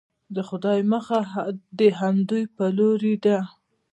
د خدای مخه د همدوی په لورې ده.